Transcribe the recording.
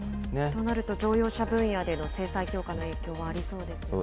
となると、乗用車分野での制裁強化の影響はありそうですよね。